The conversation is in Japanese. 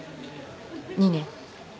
２年。